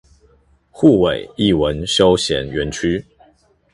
滬尾藝文休閒園區